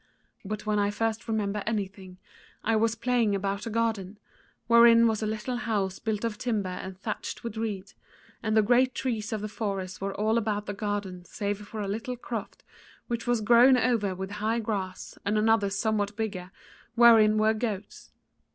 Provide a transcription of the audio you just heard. But when I first remember anything, I was playing about a garden, wherein was a little house built of timber and thatched with reed, and the great trees of the forest were all about the garden save for a little croft which was grown over with high grass and another somewhat bigger, wherein were goats.